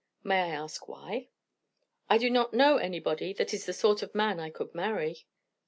"May I ask, why?" "I do not know anybody that is the sort of man I could marry."